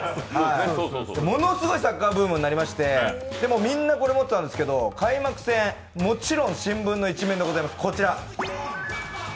ものすごいサッカーブームになりまして、みんなこれを持っていたんですけど、開幕戦もちろん新聞の一面でございます、こちら。